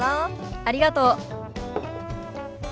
ありがとう。